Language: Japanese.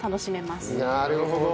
なるほど。